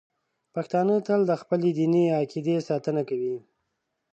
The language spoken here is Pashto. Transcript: پښتانه تل د خپلې دیني عقیدې ساتنه کوي.